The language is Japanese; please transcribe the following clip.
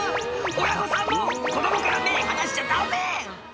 親御さんも子供から目離しちゃダメ！